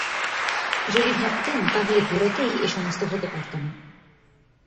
যদি ভাবতেন তা হলে গোড়াতেই এ-সমস্ত হতে পারত না।